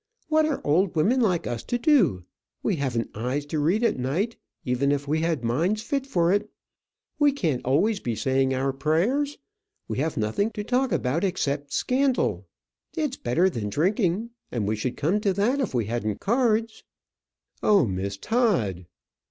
What are old women like us to do? We haven't eyes to read at night, even if we had minds fit for it. We can't always be saying our prayers. We have nothing to talk about except scandal. It's better than drinking; and we should come to that if we hadn't cards." "Oh, Miss Todd!"